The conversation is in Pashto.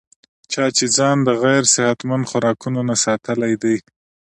چا چې ځان د غېر صحتمند خوراکونو نه ساتلے دے